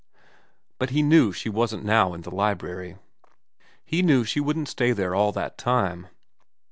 But he knew she wasn't now in the library. He knew she wouldn't stay there all that time.